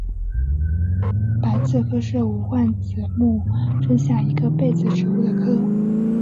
白刺科是无患子目之下一个被子植物的科。